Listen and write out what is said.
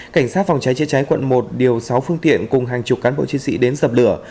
cảnh sát phòng cháy chế cháy quận một điều sáu phương tiện cùng hàng chục cán bộ chiến sĩ đến dập lửa